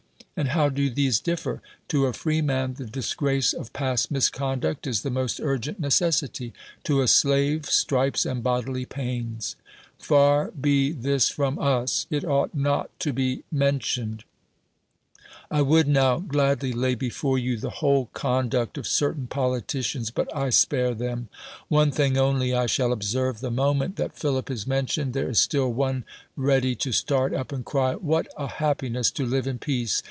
And how do these differ? To a freeman, the disgrace of past misconduct is the most urgent necessity; to a slave stripes and bodily pains. Far bo this from us ! It ought not to be mentioned. I would noAv gladly Iny before you the whole vn DEMOSTHENES conduct of certain politicians; bnt I spare them. One thiuir only 1 shall observe: tlie moment that Philip is mentioned there is still one ready to start up, and cry. ''Wh;!t a happiness to live in peace!